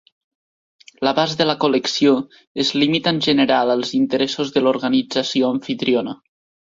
L'abast de la col·lecció es limita en general als interessos de l'organització amfitriona.